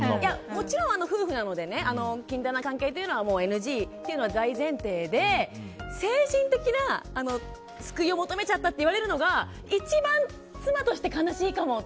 もちろん夫婦なので禁断の関係というのはＮＧというのは大前提で、精神的な救いを求めちゃったと言われるのが一番、妻として悲しいかもって。